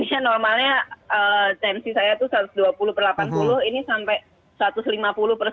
ya normalnya tensi saya tuh satu ratus dua puluh per delapan puluh ini sampai satu ratus lima puluh per satu ratus empat puluh